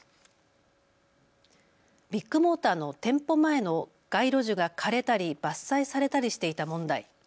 ビッグモーターの店舗前の街路樹が枯れたり伐採されたりしていた問題。